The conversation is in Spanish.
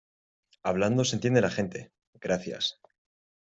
hablando se entiende la gente. gracias .